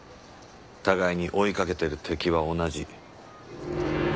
互いに追いかけてる敵は同じ。